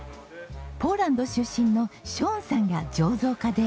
ポーランド出身のショーンさんが醸造家で。